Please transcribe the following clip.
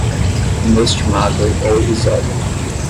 inestimável ou irrisório